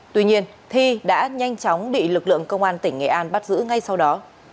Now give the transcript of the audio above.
tuy nhiên thi đã nhanh chóng bị lực lượng công an tỉnh nghệ an bắt giữ ngay sau đó